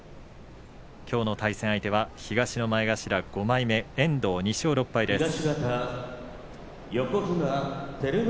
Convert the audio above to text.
きょうの対戦相手は東の前頭５枚目遠藤２勝６敗です。